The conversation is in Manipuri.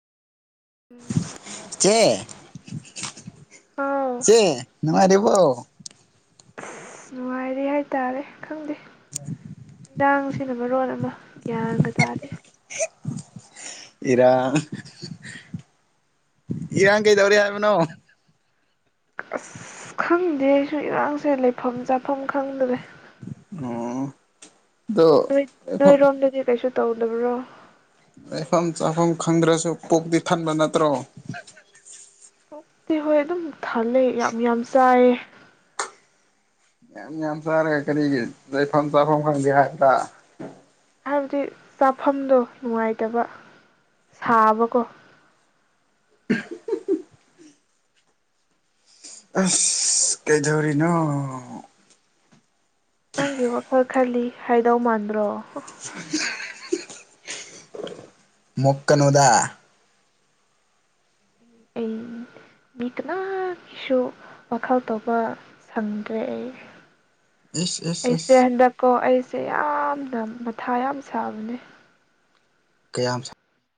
ꯎꯝ ꯆꯦ ꯑꯥꯎ ꯆꯦ ꯅ ꯑ ꯑꯁ ꯅꯨꯡꯉꯥꯏꯔꯤꯦ ꯍꯥꯏꯇꯥꯔꯦ ꯈꯪꯗꯦ ꯑ ꯥꯡꯁꯤꯅ ꯃꯔꯣꯟ ꯑꯃ ꯒ꯭ꯌꯥꯟꯗ ꯇꯥꯗꯦ ꯏꯔꯥꯡ ꯏꯔꯥꯡ ꯀꯩꯗꯧꯔꯤꯦ ꯍꯥꯏꯕꯅꯣ ꯑꯁ ꯈꯪꯗꯦ ꯑꯩꯁꯨ ꯏꯔꯥꯡꯁꯦ ꯂꯩꯐꯝ ꯆꯥꯐꯝ ꯈꯪꯗ꯭ꯔꯦ ꯑ ꯅꯣꯏ ꯅꯣꯏ ꯔꯣꯝ ꯅꯗꯤ ꯀꯩꯁꯨ ꯇꯧꯕ꯭ꯔꯣ ꯂꯩꯐꯝ ꯆꯥꯐꯝ ꯈꯪꯗ꯭ꯔꯁꯨ ꯄꯨꯣꯛꯇꯤ ꯊꯟꯕ ꯅꯠꯇ꯭ꯔꯣ ꯄꯞꯇꯤ ꯍꯣꯏ ꯑꯗꯨꯝ ꯊꯥꯂꯦ ꯌꯥꯝ ꯌꯥꯝ ꯆꯥꯏꯌꯦ ꯌꯥꯝ ꯌꯥꯝ ꯆꯥꯔꯦ ꯀꯔꯤꯒꯤ ꯂꯩꯐꯝ ꯆꯥꯐꯝ ꯈꯪꯒꯦ ꯍꯥꯏꯗ ꯍꯥꯏꯕꯗꯤ ꯆꯥꯐꯝꯗꯣ ꯅꯨꯡꯉꯥꯏꯇꯕ ꯁꯥꯕꯀꯣ [unintelligible] ꯑꯁ ꯀꯦꯖꯧꯔꯤꯅꯣ ꯅꯪꯒꯤ ꯋꯥ ꯈꯜ ꯈꯂꯤ ꯍꯥꯏꯗꯧ ꯃꯥꯟꯗ꯭ꯔꯣ ꯍ ꯃꯨꯜꯀꯅꯅꯨꯗ ꯑꯩ ꯃꯤ ꯀꯅꯥꯒꯤꯁꯨ ꯋꯥꯈꯜ ꯇꯧꯕ ꯁꯟꯗ꯭ꯔꯦ ꯑꯩ ꯏꯁ ꯏꯁ ꯑꯩꯁꯦ ꯏꯁ ꯍꯟꯗꯛꯀꯣ ꯑꯩ ꯁꯦ ꯌꯥꯝꯅ ꯃꯊꯥ ꯌꯥꯝ ꯁꯥꯕꯅꯦ ꯀꯌꯥꯝ ꯁ